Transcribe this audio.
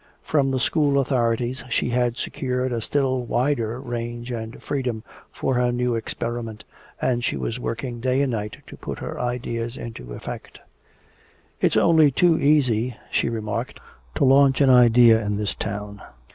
From the school authorities she had secured a still wider range and freedom for her new experiment, and she was working day and night to put her ideas into effect. "It's only too easy," she remarked, "to launch an idea in this town.